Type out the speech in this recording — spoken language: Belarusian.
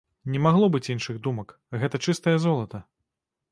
Не магло быць іншых думак, гэта чыстае золата.